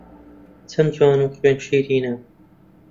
چەن جوان و خوێن شیرینە